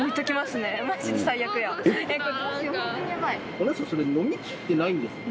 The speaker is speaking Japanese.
お姉さんそれ飲みきってないんですか？